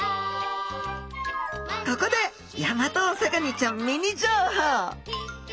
ここでヤマトオサガニちゃんミニ情報。